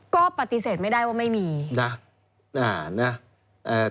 ก็ปฏิเสธไม่ได้ว่าไม่มี